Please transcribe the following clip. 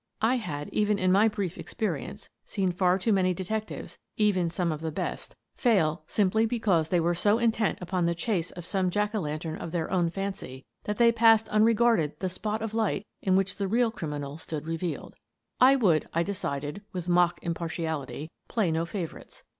I had, even in my brief experience, seen far too many detec tives — even some of the best — fail simply because in U2 Miss Frances Baird, Detective they were so intent upon the chase of some jack o' lantern of their own fancy that they passed un regarded the spot of light in which the real criminal stood revealed. I would, I decided with mock im partiality, play no favourites.